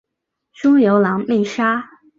朱由榔被杀。